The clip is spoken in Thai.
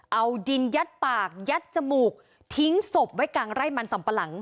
เอาดินยัดปากยัดจมูกทิ้งศพไว้กลางไร่มันสัมปะหลัง